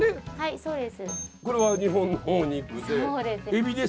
そうです。